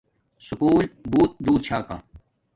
سکُول بوت دور چھا کا